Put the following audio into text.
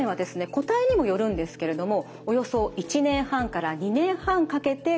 個体にもよるんですけれどもおよそ１年半から２年半かけて訓練をします。